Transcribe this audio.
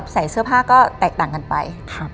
ใส่เสื้อผ้าก็แตกต่างกันไป